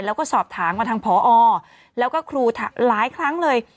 แล้วก็สอบถามมาทางพอแล้วก็ครูหลายครั้งเลย